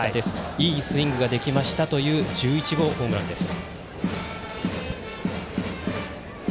いいスイングができましたという１１号ホームランです。